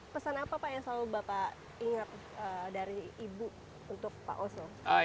pesan apa pak yang selalu bapak ingat dari ibu untuk pak oso